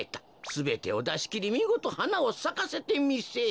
すべてをだしきりみごとはなをさかせてみせい。